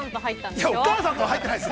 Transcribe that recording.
◆いや、お母さんとは入ってないです。